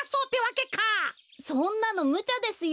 そんなのむちゃですよ。